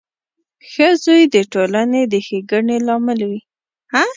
• ښه زوی د ټولنې د ښېګڼې لامل وي.